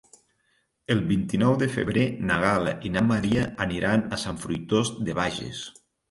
El vint-i-nou de febrer na Gal·la i na Maria aniran a Sant Fruitós de Bages.